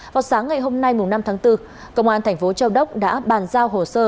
vào sáng ngày hôm nay năm tháng bốn công an thành phố châu đốc đã bàn giao hồ sơ